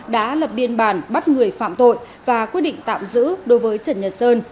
đã lập biên bản bắt người phạm tội và quyết định tạm giữ đối với trần nhật sơn